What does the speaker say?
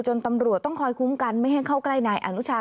ตำรวจต้องคอยคุ้มกันไม่ให้เข้าใกล้นายอนุชา